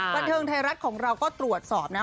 บันเทิงไทยรัฐของเราก็ตรวจสอบนะ